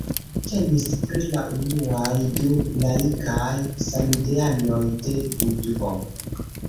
Temis pri la unuaj du laikaj samideanoj de Budho.